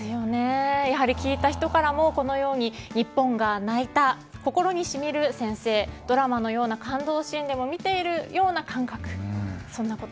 やはり聞いた人からも日本が泣いた心にしみる宣誓ドラマのような感動シーンでも見ているのような感覚。